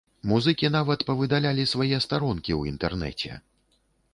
Музыкі нават павыдалялі свае старонкі ў інтэрнэце.